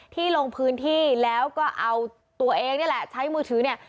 ลงพื้นที่แล้วก็เอาตัวเองนี่แหละใช้มือถือเนี่ย